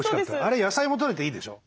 あれ野菜もとれていいでしょ。